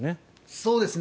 そうですね。